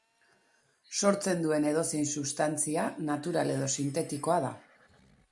Sortzen duen edozein substantzia natural edo sintetikoa da.